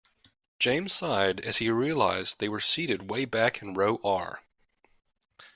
James sighed as he realized they were seated way back in row R.